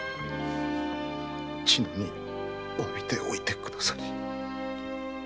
千乃に詫びておいてくだされ。